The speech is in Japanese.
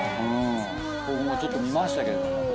僕もちょっと見ましたけれども。